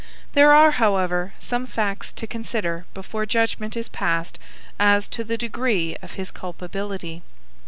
There are, however, some facts to consider before judgment is passed as to the degree of his culpability.